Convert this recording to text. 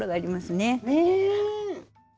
ねえ！